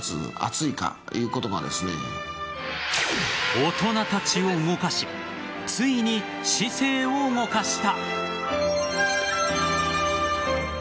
大人たちを動かしついに市政を動かした。